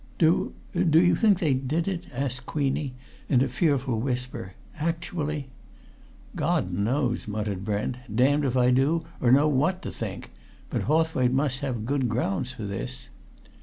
"Do do you think they did it?" asked Queenie in a fearful whisper. "Actually?" "God knows!" muttered Brent. "Damned if I do, or if I know what to think. But Hawthwaite must have good grounds for this!"